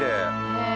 へえ。